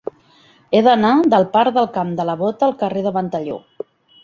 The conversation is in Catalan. He d'anar del parc del Camp de la Bota al carrer de Ventalló.